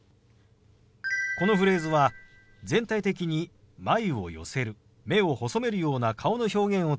このフレーズは全体的に眉を寄せる目を細めるような顔の表現をつけるのがポイントです。